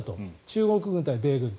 中国軍対米軍。